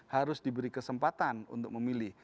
harus diberi kesempatan untuk memilih